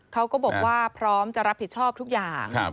เขาก็บอกว่าพร้อมจะรับผิดชอบทุกอย่าง